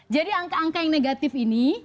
jadi angka angka yang negatif ini